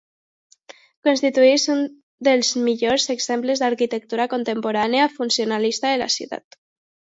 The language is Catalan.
Constitueix un dels millors exemples d'arquitectura contemporània funcionalista de la ciutat.